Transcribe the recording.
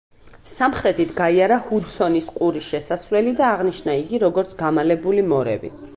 სამხრეთით გაიარა ჰუდსონის ყურის შესასვლელი და აღნიშნა იგი როგორც „გამალებული მორევი“.